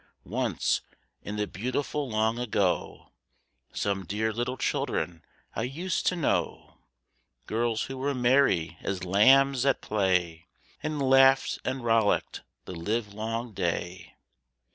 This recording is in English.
Once, in the beautiful long ago, Some dear little children I used to know; Girls who were merry as lambs at play, And laughed and rollicked the livelong day.